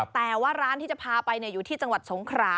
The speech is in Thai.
แต่ว่าร้านที่จะพาไปอยู่ที่จังหวัดสงขรา